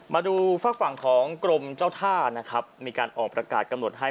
มาดูฝากฝั่งของกรมเจ้าท่านะครับมีการออกประกาศกำหนดให้